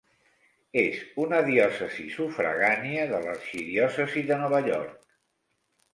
És una diòcesi sufragània de l'arxidiòcesi de Nova York.